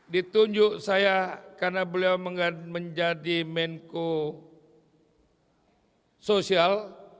ditunjuk saya karena beliau menjadi menko sosial